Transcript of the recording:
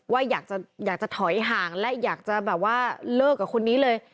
ว่าอยากจะถอยห่างและอยากจะแบบว่าเลิกกับคนนี้เลย